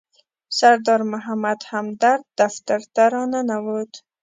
سردار محمد همدرد دفتر ته راننوت.